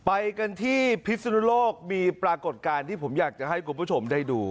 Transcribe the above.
ไปกันที่พิศนุโลกมีปรากฏการณ์ที่ผมอยากจะให้คุณผู้ชมได้ดู